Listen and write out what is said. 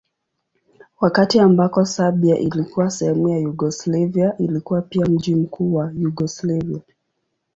Wakati ambako Serbia ilikuwa sehemu ya Yugoslavia ilikuwa pia mji mkuu wa Yugoslavia.